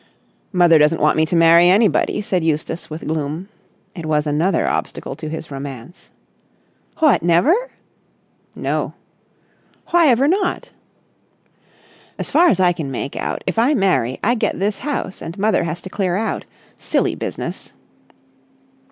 "Mother doesn't want me to marry anybody," said Eustace with gloom. It was another obstacle to his romance. "What, never?" "No." "Why ever not?" "As far as I can make out, if I marry, I get this house and mother has to clear out. Silly business!"